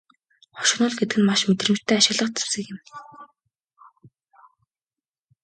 Хошигнол гэдэг нь маш мэдрэмжтэй ашиглах зэвсэг юм.